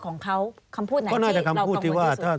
ของเขาคำพูดอย่างไหน